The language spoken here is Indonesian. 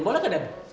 boleh kan den